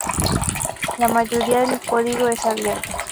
La mayoría del código es abierto.